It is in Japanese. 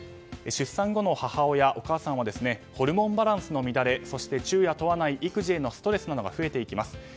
出産後の母親はホルモンバランスの乱れそして昼夜問わない育児へのストレスなどが増えていきます。